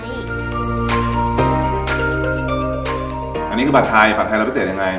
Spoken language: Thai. อันนี้คือผัดไทยผัดไทยเราพิเศษยังไง